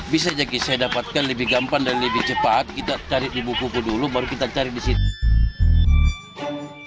bisa saya dapatkan lebih gampang dan lebih cepat kita cari di buku buku dulu baru kita cari di situ